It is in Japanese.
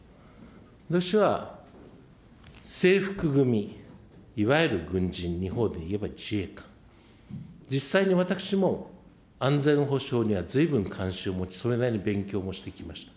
私は制服組、いわゆる軍人、日本でいえば自衛官、実際に私も安全保障にはずいぶん関心を持ち、それなりに勉強もしてまいりました。